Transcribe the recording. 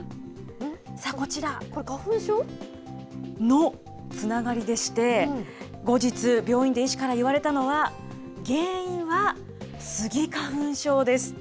さあ、こちら。のつながりでして、後日、病院で医師から言われたのは、原因はスギ花粉症です。